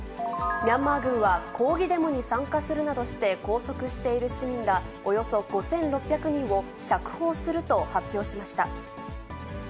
ミャンマー軍は抗議デモに参加するなどして、拘束している市民らおよそ５６００人を釈放すると発表しました。